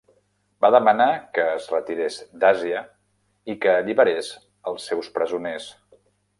Va demanar que es retirés d'Àsia i que alliberés els seus presoners.